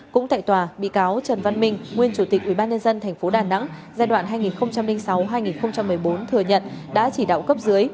cũng tại tòa bị cáo trần văn minh nguyên chủ tịch ubnd tp đà nẵng giai đoạn hai nghìn sáu hai nghìn một mươi bốn thừa nhận đã chỉ đạo cấp dưới